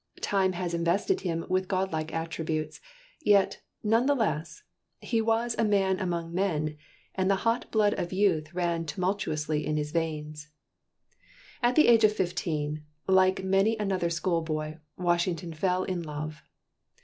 Time has invested him with godlike attributes, yet, none the less, he was a man among men, and the hot blood of youth ran tumultuously in his veins. At the age of fifteen, like many another schoolboy, Washington fell in love.